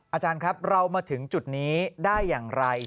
อาจารย์ครับเรามาถึงจุดนี้ได้อย่างไร